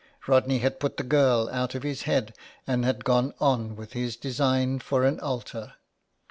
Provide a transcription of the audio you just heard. Rodney had put the girl out of his head, and had gone on with his design for an altar.